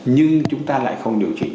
nhưng chúng ta lại không điều chỉnh